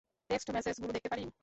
Text মেসেজগুলো দেখতে পারি?